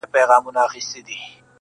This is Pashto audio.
• چي شرنګی یې وو په ټوله محله کي -